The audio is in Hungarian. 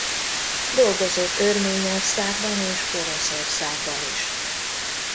Dolgozott Örményországban és Oroszországban is.